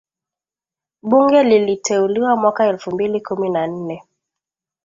Bunge liliteuliwa mwaka elfu mbili kumi na nne